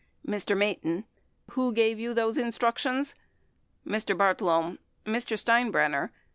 455 Mr. Mayton. Who gave you those instructions? Mr. Bartlome. Mr. Steinbrenner.